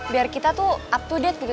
biar kita tuh up to date gitu